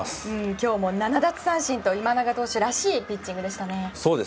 今日も７奪三振と今永投手らしいピッチングでしたね。